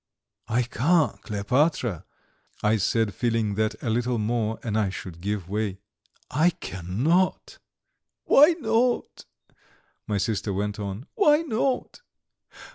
"I can't, Kleopatra!" I said, feeling that a little more and I should give way. "I cannot!" "Why not?" my sister went on. "Why not?